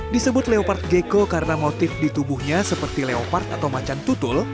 disebut leopard gecko karena motif di tubuhnya seperti leopard atau macan tutul